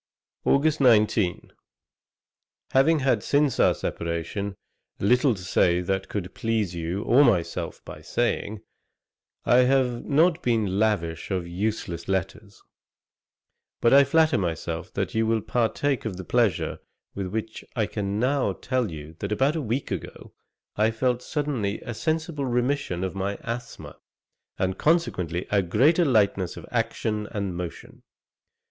August 19. 'Having had since our separation, little to say that could please you or myself by saying, I have not been lavish of useless letters; but I flatter myself that you will partake of the pleasure with which I can now tell you that about a week ago, I felt suddenly a sensible remission of my asthma, and consequently a greater lightness of action and motion.